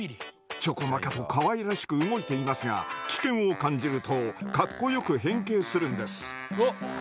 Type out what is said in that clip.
ちょこまかとかわいらしく動いていますが危険を感じるとかっこよく変形するんです！